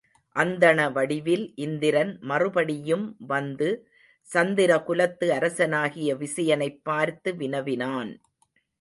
அந்தண வடிவில் இந்திரன் மறுபடி யும் வந்து சந்திரகுலத்து அரசனாகிய விசயனைப் பார்த்து வினவினான்.